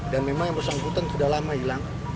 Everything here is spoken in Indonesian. dan memang yang bersangkutan sudah lama hilang